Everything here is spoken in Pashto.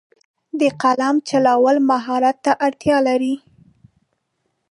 د قلم چلول مهارت ته اړتیا لري.